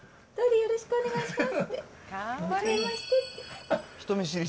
よろしくお願いします。